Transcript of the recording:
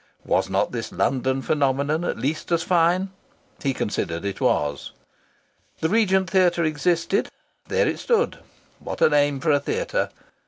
Was not this London phenomenon at least as fine? He considered it was. The Regent Theatre existed there it stood! (What a name for a theatre!)